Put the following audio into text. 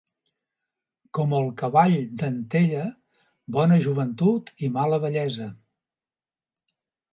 Com el cavall d'Antella: bona joventut i mala vellesa.